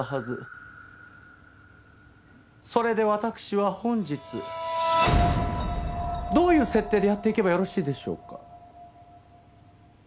それでわたくしは本日どういう設定でやっていけばよろしいでしょうか？